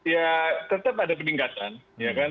ya tetap ada peningkatan